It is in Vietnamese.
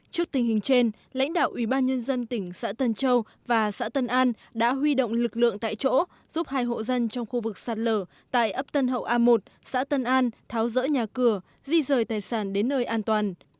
trước tình hình trên lãnh đạo ubnd tỉnh xã tân châu và xã tân an đã huy động lực lượng tại chỗ giúp hai hộ dân trong khu vực sạt lở tại ấp tân hậu a một xã tân an tháo rỡ nhà cửa di rời tài sản đến nơi an toàn